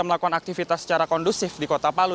melakukan aktivitas secara kondusif di kota palu